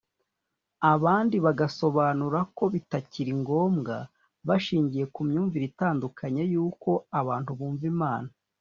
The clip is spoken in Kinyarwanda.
abandi bagasobanura ko bitakiri ngombwa bashingiye ku myumvire itandukanye y’uko abantu bumva Imana